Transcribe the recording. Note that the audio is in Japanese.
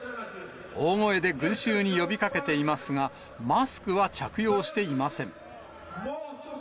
大声で群衆に呼びかけていますが、マスクは着用していません。